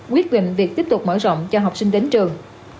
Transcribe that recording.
quyết định việc tiếp tục mở rộng cho học sinh đến trường